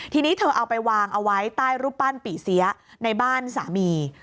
ทีนี้เธอเอาไปวางเอาไว้ใต้รูปปั้นปี่เสียในบ้านสามี